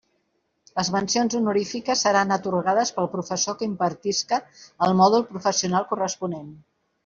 Les mencions honorífiques seran atorgades pel professor que impartisca el mòdul professional corresponent.